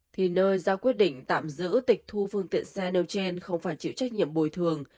thì nơi ra quyết định tạm giữ tịch thu phương tiện xe nêu trên không phải chịu trách nhiệm bồi thường